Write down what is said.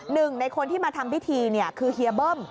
หนึ่งในคนที่มาทำพิธีคือเฮียเบิ้ม